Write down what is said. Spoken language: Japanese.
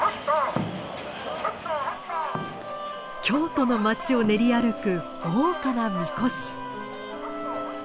京都の町を練り歩く豪華な神輿。